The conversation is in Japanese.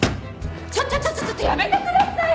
ちょちょちょっとやめてください！